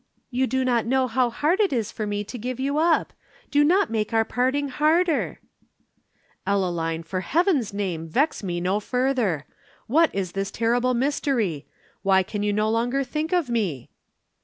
You do not know how hard it is for me to give you up do not make our parting harder." "Ellaline, in heaven's name vex me no further. What is this terrible mystery? Why can you no longer think of me?"